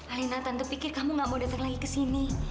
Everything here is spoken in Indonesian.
alena tante pikir kamu gak mau datang lagi kesini